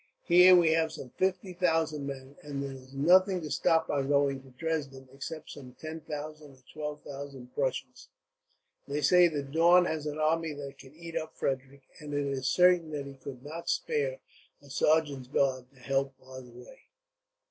Here we have some fifty thousand men, and there is nothing to stop our going to Dresden, except some ten thousand or twelve thousand Prussians. They say that Daun has an army that could eat up Frederick, and it is certain that he could not spare a sergeant's guard to help bar the way.